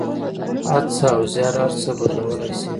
هڅه او زیار هر څه بدلولی شي.